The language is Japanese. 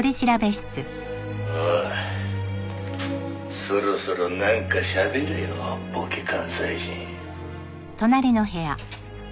「おいそろそろなんかしゃべれよボケ関西人」